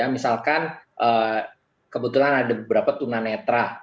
misalkan kebetulan ada beberapa tunanetra